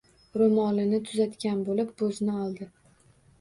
Ro'molini tuzatgan bo'lib bo'zni oldi